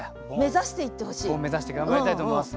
ボン目指して頑張りたいと思います。